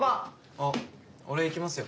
あっ俺行きますよ。